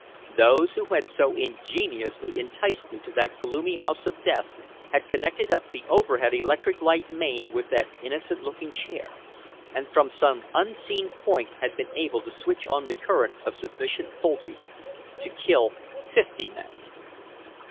Those who had so ingeniously enticed me to that gloomy house of death had connected up the overhead electric light main with that innocent looking chair, and from some unseen point had been able to switch on a current of sufficient voltage to kill fifty men.